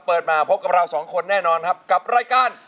มาพบกับเราสองคนแน่นอนครับกับรายการ